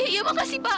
iya makasih pak